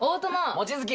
望月！